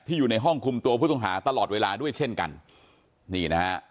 อยู่ในห้องคุมตัวผู้ต้องหาตลอดเวลาด้วยเช่นกันนี่นะฮะ